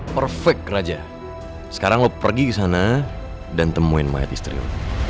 perfect raja sekarang lo pergi ke sana dan temuin mayat istri